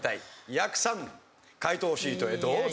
やくさん解答シートへどうぞ。